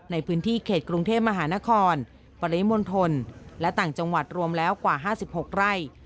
ในพื้นที่เขตกรุงเทพมหานครปริมณฑลและต่างจังหวัดรวมแล้วกว่า๕๖ไร่